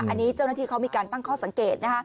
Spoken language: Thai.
อันนี้เจ้าหน้าที่เขามีการตั้งข้อสังเกตนะคะ